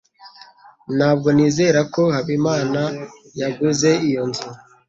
Ntabwo nizera ko Habimana yaguze iyo nzu.